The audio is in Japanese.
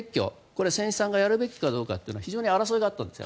これは船主さんがやるべきかどうかというのは非常に争いがあったんです。